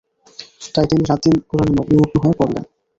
তাই তিনি রাতদিন কুরআনে নিমগ্ন হয়ে পড়লেন।